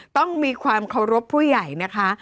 ต้องมีความเคารพผู้ใหญ่นะคะ